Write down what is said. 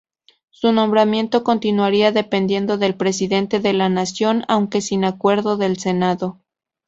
Su nombramiento continuaría dependiendo del Presidente de la Nación, aunque sin acuerdo del Senado.